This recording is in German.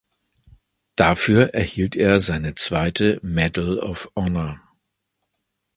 Dafür erhielt er seine zweite Medal of Honor.